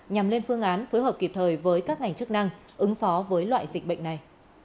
nhằm lên phương án phối hợp kịp thời với các ngành chức năng ứng phó với loại dịch bệnh này